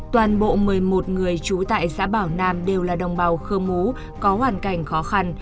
toàn bộ một mươi một người trú tại xã bảo nam đều là đồng bào khơ mú có hoàn cảnh khó khăn